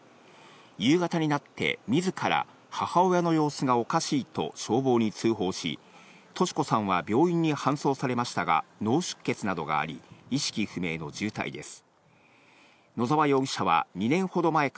夕方になって自ら、母親の様子がおかしいと消防に通報し、敏子さんは病院に搬送されましたが、脳出血などがあり、意識不明の重体です。